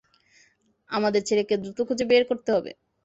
আমাদের ছেলেকে দ্রুত খুঁজে বের করতে হবে।